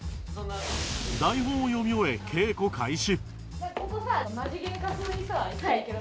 台本を読み終え稽古開始